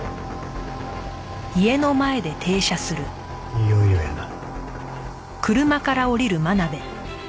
いよいよやな。